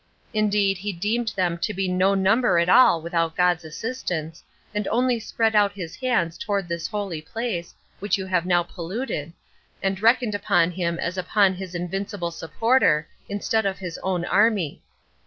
Indeed he deemed them to be no number at all without God's assistance, and only spread out his hands towards this holy place, 16 which you have now polluted, and reckoned upon him as upon his invincible supporter, instead of his own army.